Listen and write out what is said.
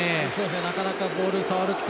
なかなかボールを触る機会